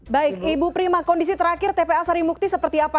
baik ibu prima kondisi terakhir tpa sarimukti seperti apa